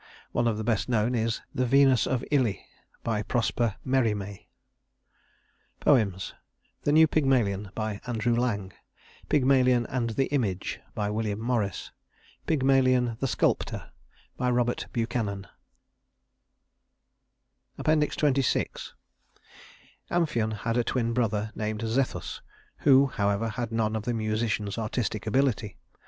One of the best known is "The Venus of Ille," by Prosper Mérimée. Poems: The New Pygmalion ANDREW LANG Pygmalion and the Image WILLIAM MORRIS Pygmalion the Sculptor ROBERT BUCHANAN XXVI Amphion had a twin brother named Zethus who, however, had none of the musician's artistic ability.